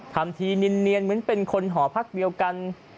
ทำทีเนียนเหมือนเป็นคนหอพักเดียวกัน